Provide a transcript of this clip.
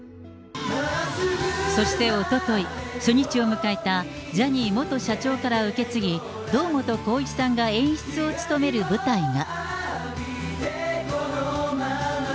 そしておととい、初日を迎えたジャニー元社長から受け継ぎ、堂本光一さんが演出を務める舞台が。